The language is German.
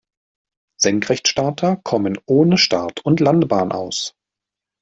Senkrechtstarter kommen ohne Start- und Landebahn aus.